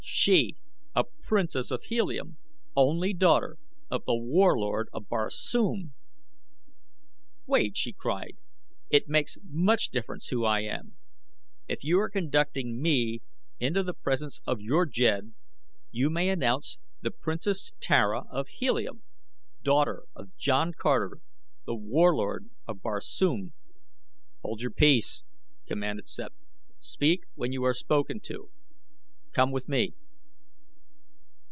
She, a princess of Helium; only daughter of The Warlord of Barsoom! "Wait!" she cried. "It makes much difference who I am. If you are conducting me into the presence of your jed you may announce The Princess Tara of Helium, daughter of John Carter, The Warlord of Barsoom." "Hold your peace!" commanded Sept. "Speak when you are spoken to. Come with me!"